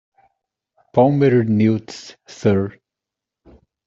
Palmated newts, sir.